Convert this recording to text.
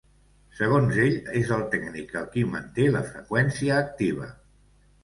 Segons ell, és el tècnic el qui manté la freqüència activa.